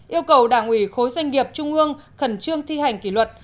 yêu cầu đảng ủy khối doanh nghiệp trung ương khẩn trương thi hành kỷ luật